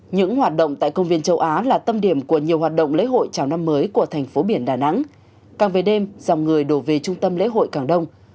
những hoạt động tại công viên châu á là tâm điểm của nhiều hoạt động lễ hội chào năm mới của thành phố biển đà nẵng càng về đêm dòng người đổ về trung tâm lễ hội càng đông